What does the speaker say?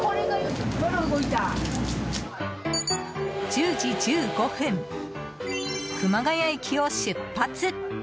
１０時１５分、熊谷駅を出発。